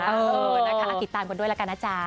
เออนะคะติดตามกันด้วยละกันนะจ๊ะ